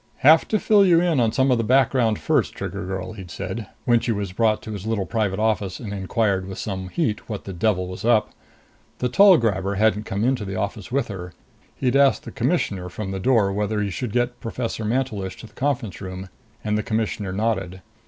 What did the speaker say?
"Have to fill you in on some of the background first, Trigger girl," he'd said, when she was brought to his little private office and inquired with some heat what the devil was up. The tall grabber hadn't come into the office with her. He asked the Commissioner from the door whether he should get Professor Mantelish to the conference room, and the Commissioner nodded.